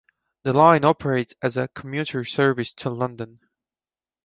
The line operates as a commuter service to London.